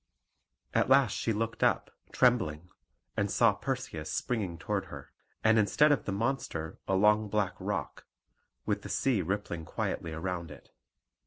At last she looked up trembling, and saw Perseus springing toward her; and instead of the monster a long black rock, with the sea rippling quietly round it.